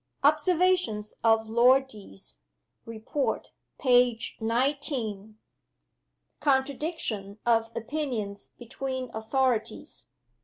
Observations of Lord Deas. Report, page XIX. Contradiction of opinions between authorities.